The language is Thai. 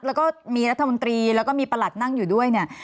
แล้วก็มีรัฐมนตรีแล้วก็มีประหลัดนั่งอยู่ด้วยเนี่ย